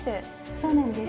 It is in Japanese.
そうなんです。